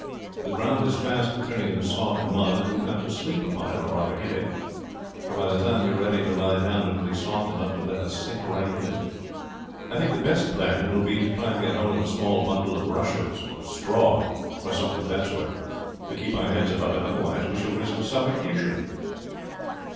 The ground is fast turning into soft mud, and we have got to sleep upon it, or rather in it; for by the time we are ready to lie down it will be soft enough to let us sink right in. I think the best plan will be to try to get hold of a small bundle of rushes or straw, or something of that sort, to keep our heads above it, otherwise we shall risk suffocation."